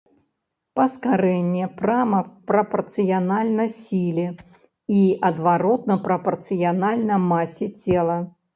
Паскарэнне прама прапарцыянальна сіле і адваротна прапарцыянальна масе цела.